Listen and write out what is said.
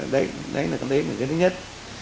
đấy là cái thứ nhất